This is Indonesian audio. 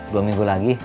dua minggu lagi